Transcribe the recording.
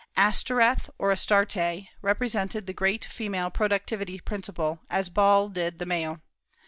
Astoreth, or Astarte, represented the great female productive principle, as Baal did the male.